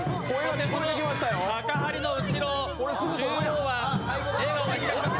そして、高はりの後ろ、中央は笑顔が光ります